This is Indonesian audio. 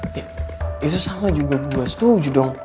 ya itu sama juga gue setuju dong